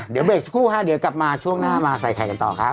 เดี๋ยวเบรกสักครู่ฮะเดี๋ยวกลับมาช่วงหน้ามาใส่ไข่กันต่อครับ